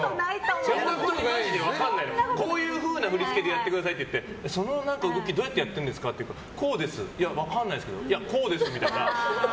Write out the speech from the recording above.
こういうような振り付けでやってくださいって言ってその動きどうやってやってるんですかって言ったらこうです、いや分かんないですいや、こうですみたいな。